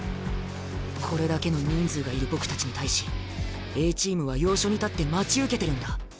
これだけの人数がいる僕たちに対しＡチームは要所に立って待ち受けてるんだ。